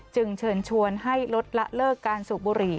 เชิญชวนให้ลดละเลิกการสูบบุหรี่